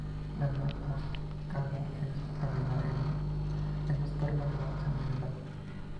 La nuez moscada es, en realidad, el endosperma de la semilla del árbol.